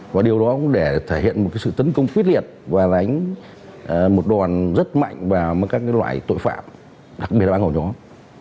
và điều đó cũng để thể hiện một sự tấn công khuyết liệt và đánh một đòn rất mạnh vào các loại tội phạm đặc biệt là các ổ nhóm